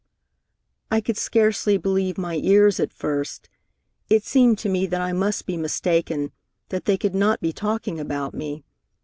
"I could scarcely believe my ears at first. It seemed to me that I must be mistaken, that they could not be talking about me.